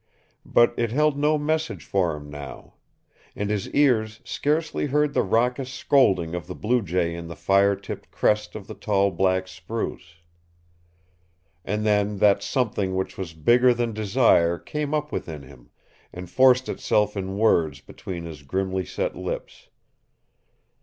But it held no message for him now. And his ears scarcely heard the raucous scolding of the blue jay in the fire tipped crest of the tall black spruce. And then that something which was bigger than desire came up within him, and forced itself in words between his grimly set lips.